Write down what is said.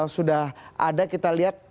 sudah ada kita lihat